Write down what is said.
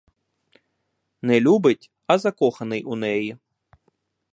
Не любить, а закоханий у неї.